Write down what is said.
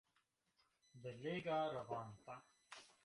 Belega, ravanta!